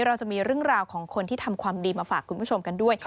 เราจะมีเรื่องราวของคนที่ทำความดีมาฝากคุณผู้ชมกันด้วย